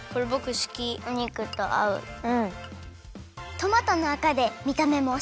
トマトのあかでみためもおしゃれ！